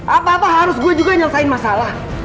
apa apa harus gue juga nyelesain masalah